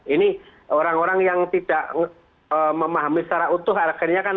ini orang orang yang tidak memahami secara utuh harganya kan tidak ada